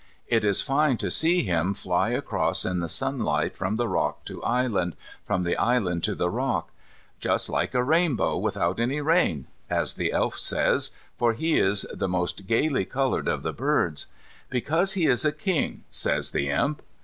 It is fine to see him fly across in the sunlight from the rock to island, from the island to the rock, "Just like a rainbow without any rain," as the Elf says, for he is the most gaily coloured of the birds. "Because he is the king," says the Imp.